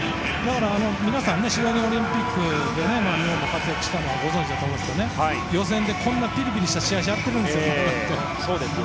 皆さんシドニーオリンピックで日本が活躍したのはご存じだと思いますが予選でピリピリした試合をやってるんですよ。